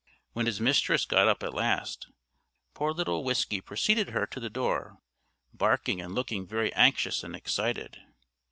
When his mistress got up at last, poor little Whiskey preceded her to the door, barking and looking very anxious and excited.